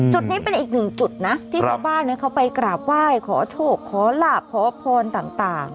จุดนี้เป็นอีกหนึ่งจุดนะที่ชาวบ้านเขาไปกราบไหว้ขอโชคขอลาบขอพรต่าง